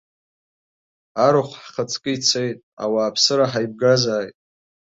Арахә ҳхаҵкы ицеит, ауааԥсыра ҳаибгазааит.